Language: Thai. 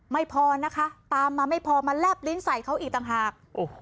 ไม่พอนะคะตามมาไม่พอมาแลบลิ้นใส่เขาอีกต่างหาก